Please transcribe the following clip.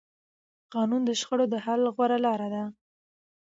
قانون د شخړو د حل غوره لاره ده